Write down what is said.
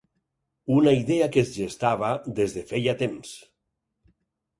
Una idea que es gestava des de feia temps.